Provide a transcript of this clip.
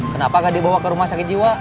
kenapa gak dibawa ke rumah sakit jiwa